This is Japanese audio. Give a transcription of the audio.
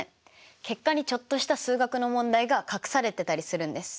結果にちょっとした数学の問題が隠されてたりするんです。